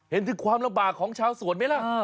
เห็นถึงความลำบากของชาวสวนไหมล่ะ